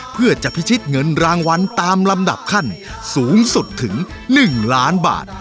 เพื่อจะพิชิตเงินรางวัลตามลำดับขั้นสูงสุดถึง๑ล้านบาท